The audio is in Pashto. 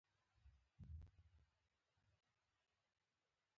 پر مېز باندې ډېر کوچنی ښکارېده، پوښتنه یې وکړل همدا ټول یو؟